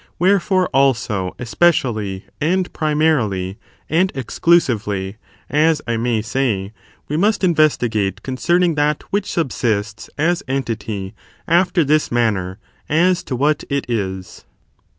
Wherefore, also, especially, and primarily, and exclusively, as I may say, we must investigate concerning that which subsists as entity after this manner, as to what it is.